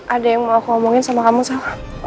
ada yang mau aku omongin sama kamu sal